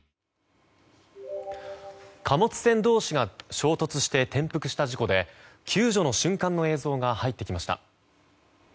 貨物船同士が衝突して転覆した事故で救助の瞬間の映像が入ってきました。